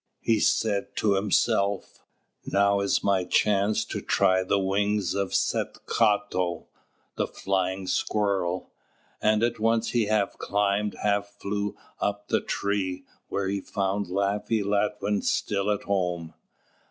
He said to himself: "Now is my chance to try the wings of 'Set cāto,' the Flying Squirrel," and at once he half climbed, half flew, up the tree, where he found Laffy Latwin still at home.